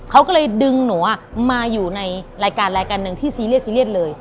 เขาก็เลยดึงหนูมาอยู่ในรายการหนึ่งที่ซีเรียสเลย